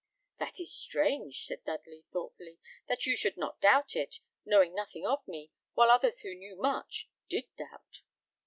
"That is strange!" said Dudley, thoughtfully; "that you should not doubt it, knowing nothing of me, while others who knew much, did doubt."